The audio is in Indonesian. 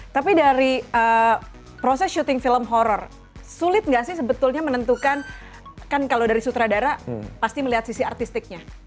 tapi dari proses syuting film horror sulit nggak sih sebetulnya menentukan kan kalau dari sutradara pasti melihat sisi artistiknya